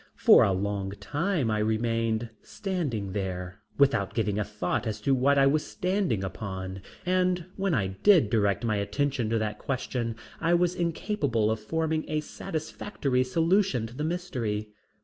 For a long time I remained standing there without giving a thought as to what I was resting upon, and when I did direct my attention to the question I was incapable of forming a satisfactory solution to the mystery.